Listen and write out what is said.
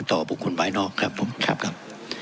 ต่อบุคคลไปนอกครับครับครับ